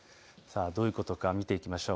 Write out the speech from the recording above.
どういうことか見ていきましょう。